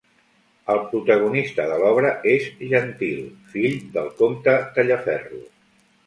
El protagonista de l'obra és Gentil, fill del comte Tallaferro.